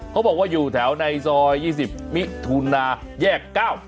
เขาบอกว่าอยู่แถวในซอย๒๐มิถุนาแยก๙